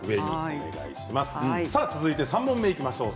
続いて３問目にいきましょう。